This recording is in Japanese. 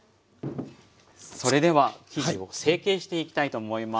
それでは生地を成形していきたいと思います。